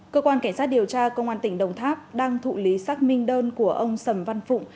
cơ quan cảnh sát điều tra công an tỉnh đồng tháp đang thụ lý xác minh đơn của ông sầm văn phụng